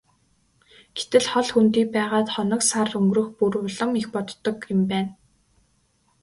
Гэтэл хол хөндий байгаад хоног сар өнгөрөх бүр улам их бодогддог юм байна.